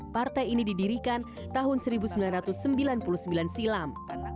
partai ini didirikan tahun seribu sembilan ratus sembilan puluh sembilan silam